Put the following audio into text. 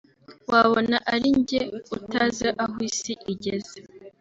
wabona ari njye utazi aho isi igeze